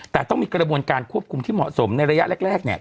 แต่ต้องมีกระบวนการควบคุมที่เหมาะสมในระยะแรกเนี่ย